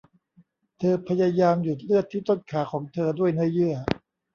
เธอพยายามหยุดเลือดที่ต้นขาของเธอด้วยเนื้อเยื่อ